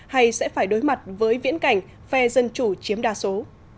hay sẽ phải đối mặt với viễn cảnh phe dân chủ chiếm đa số